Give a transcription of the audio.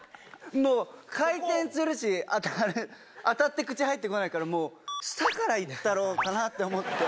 もう回転するし、当たって口入ってこないから、下からいったろうかなって思って。